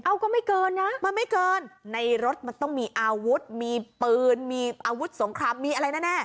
เอาก็ไม่เกินนะมันไม่เกินในรถมันต้องมีอาวุธมีปืนมีอาวุธสงครามมีอะไรแน่